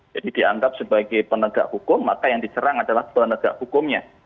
jadi dianggap sebagai penegak hukum maka yang diserang adalah penegak hukumnya